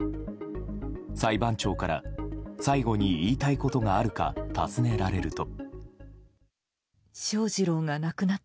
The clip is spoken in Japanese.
裁判長から、最後に言いたいことがあるか尋ねられると。